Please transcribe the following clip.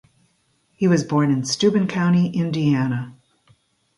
He was born in Steuben County, Indiana.